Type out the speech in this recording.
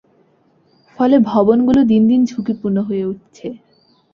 ফলে ভবনগুলো দিন দিন ঝুঁকিপূর্ণ হয়ে উঠছে।